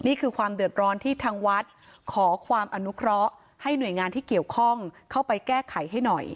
นี่คือความเดือดร้อนที่ทางวัดขอความอนุเคราะห์ให้หน่วยงานที่เกี่ยวข้องเข้าไปแก้ไขให้หน่อย